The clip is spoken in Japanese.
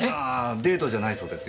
デートじゃないそうですよ